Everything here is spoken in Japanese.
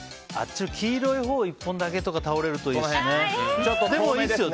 黄色いほう１本だけ倒れるといいですね。